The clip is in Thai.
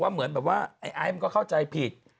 กันะเขาบอกว่านายไอค์ก็เข้าใจผิด